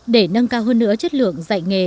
để nâng cao hơn nữa chất lượng dạy nghề